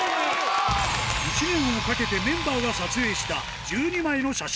１年をかけてメンバーが撮影した１２枚の写真。